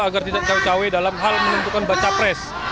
agar tidak cawe cawe dalam hal menentukan baca pres